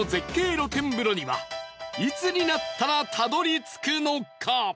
露天風呂にはいつになったらたどり着くのか？